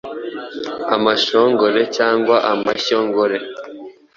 Amashongore cyangwa amashyo ngore.”